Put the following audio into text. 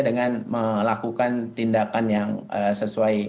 dengan melakukan tindakan yang sesuai